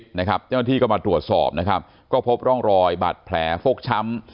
เจ้าหน้าที่ก็มาตรวจสอบนะครับก็พบร่องรอยบาดแผลฟกช้ำ